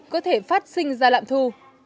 có thể phát sinh ra lạm thu